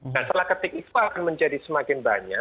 nah setelah ketik itu akan menjadi semakin banyak